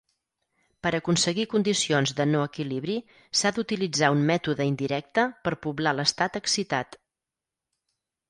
Per aconseguir condicions de no-equilibri, s’ha d’utilitzar un mètode indirecte per poblar l’estat excitat.